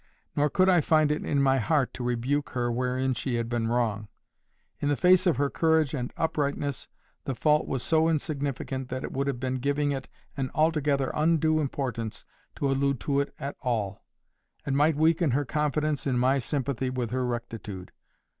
Nor could I find it in my heart to rebuke her wherein she had been wrong. In the face of her courage and uprightness, the fault was so insignificant that it would have been giving it an altogether undue importance to allude to it at all, and might weaken her confidence in my sympathy with her rectitude.